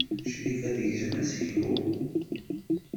Crifa tegzem aseklu.